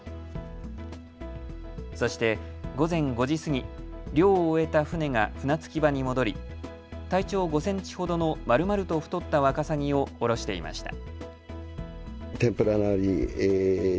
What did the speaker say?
そして午前５時過ぎ、漁を終えた船が船着き場に戻り体長５センチほどのまるまると太ったワカサギを降ろしていました。